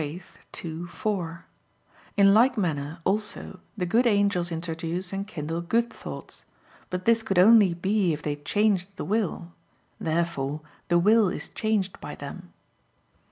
ii, 4); in like manner also the good angels introduce and kindle good thoughts. But this could only be if they changed the will. Therefore the will is changed by them.